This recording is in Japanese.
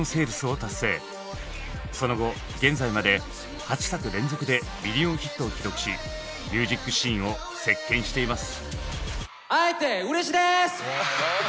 その後現在まで８作連続でミリオンヒットを記録しミュージックシーンを席巻しています。